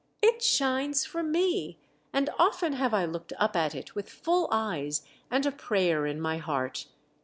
"It shines for me ! and often have I looked up at it with full eyes and a prayer in my heart.